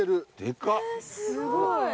すごい。